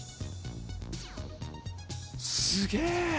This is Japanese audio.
すげえ！